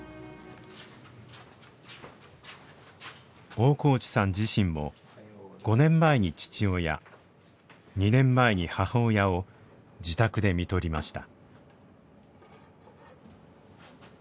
大河内さん自身も５年前に父親２年前に母親を自宅でみとりました。